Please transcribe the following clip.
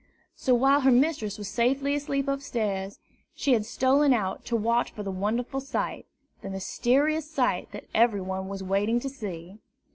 So, while her mistress was safely asleep upstairs, she had stolen out to watch for the wonderful sight, the mysterious sight that every one was waiting to see.